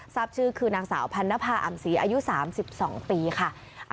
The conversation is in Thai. ทราบชื่อคือนางสาวพันนภาอำศรีอายุ๓๒ปีค่ะ